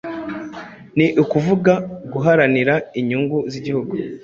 ni ukuvuga guharanira inyungu z'igihugu,